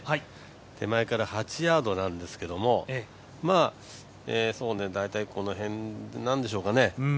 手前から８ヤードなんですけれども、大体この辺なんでしょうかね。